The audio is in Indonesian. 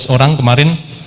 tujuh belas orang kemarin